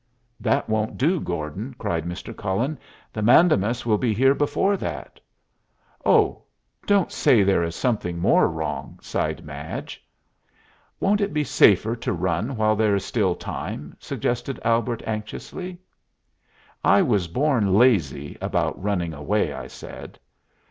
"That won't do, Gordon," cried Mr. Cullen. "The mandamus will be here before that." "Oh, don't say there is something more wrong!" sighed Madge. "Won't it be safer to run while there is still time?" suggested Albert, anxiously. "I was born lazy about running away," I said.